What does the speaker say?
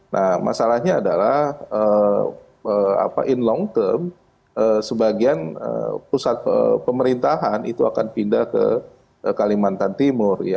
nah masalahnya adalah in long term sebagian pusat pemerintahan itu akan pindah ke kalimantan timur